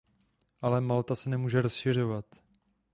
Ale Malta se nemůže rozšiřovat.